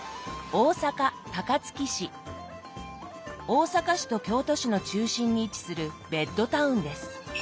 大阪市と京都市の中心に位置するベッドタウンです。